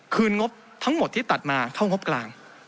งบทั้งหมดที่ตัดมาเข้างบกลาง